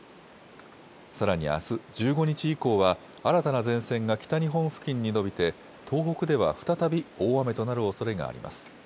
さらにあす１５日以降は新たな前線が北日本付近に延びて東北では再び大雨となるおそれがあります。